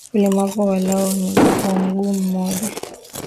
Ulemavu walau wa mguu mmoja